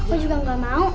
aku juga enggak mau